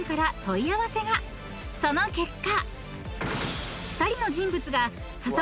［その結果］